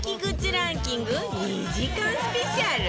ランキング２時間スペシャル